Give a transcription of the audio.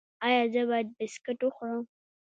ایا زه باید بسکټ وخورم؟